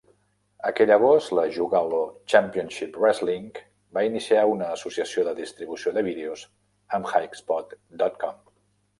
Aquell agost, la Juggalo Championship Wrestling va iniciar una associació de distribució de vídeos amb HighSpots dot com.